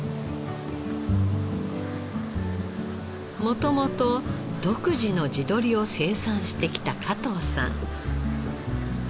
元々独自の地鶏を生産してきた加藤さん。